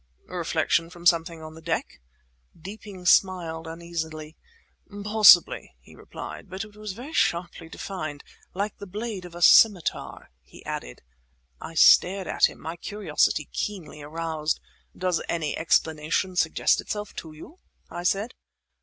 "A reflection from something on the deck?" Deeping smiled, uneasily. "Possibly," he replied; "but it was very sharply defined. Like the blade of a scimitar," he added. I stared at him, my curiosity keenly aroused. "Does any explanation suggest itself to you?" I said.